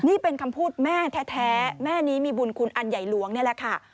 นี่เป็นคำพูดแม่แท้แม่นี้มีบุญคุณอันใหญ่หลวงนี่แหละค่ะ